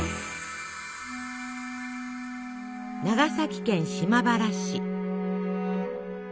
長崎県島原市。